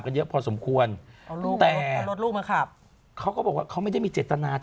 กันเรื่องพอสมควรแต่บอกว่าเขาไม่ได้มีเจตนา